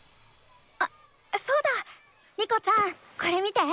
あそうだ。リコちゃんこれ見て。